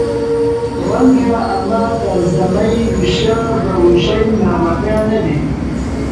ڕەنگە ئەمە تەرجەمەی وشە بە وشەی نامەکە نەبێ